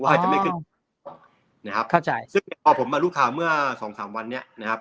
ว่าจะไม่ขึ้นนะครับซึ่งพอผมมารู้ข่าวเมื่อ๒๓วันเนี่ยนะครับ